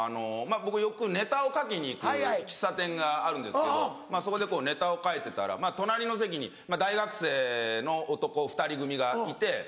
僕よくネタを書きに行く喫茶店があるんですけどそこでネタを書いてたら隣の席に大学生の男２人組がいて。